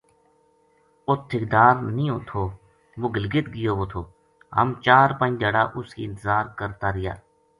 اُت ٹھیکیدار نیہہ تھو وہ گلگت گیو وو تھو ہم چار پنج دھیاڑا اس کی انتظار کرت رہیا